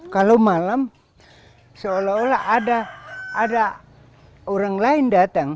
kalau malam seolah olah ada orang lain datang